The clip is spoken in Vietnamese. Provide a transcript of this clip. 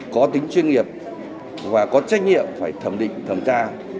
có tính chuyên nghiệp và có trách nhiệm phải thẩm định thẩm tra